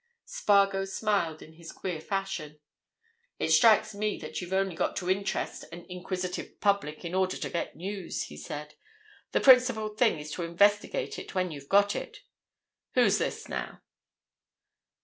Spargo smiled in his queer fashion. "It strikes me that you've only got to interest an inquisitive public in order to get news," he said. "The principal thing is to investigate it when you've got it. Who's this, now?"